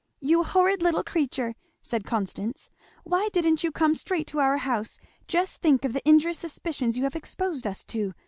"You horrid little creature!" said Constance, "why didn't you come straight to our house? just think of the injurious suspicions you have exposed us to!